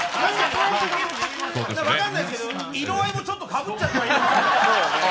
分かんないですけど、色合いもちょっとかぶっちゃって。